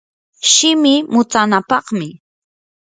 shimi mutsanapaqmi.